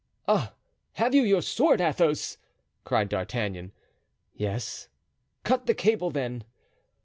"Ah! have you your sword, Athos?" cried D'Artagnan. "Yes." "Cut the cable, then."